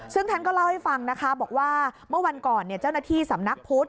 ซึ่งท่านก็เล่าให้ฟังนะคะบอกว่าเมื่อวันก่อนเจ้าหน้าที่สำนักพุทธ